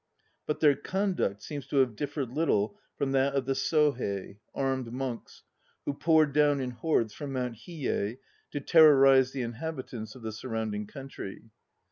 But their conduct seems to have differed little from that of the Sohei (armed monks) who poured down in hordes from Mount Hiyei to terrorize the inhabitants of the surrounding country.